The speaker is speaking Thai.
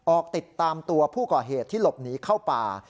ออกติดตามตัวผู้ก่อเหตุที่หลบหนีเข้าป่า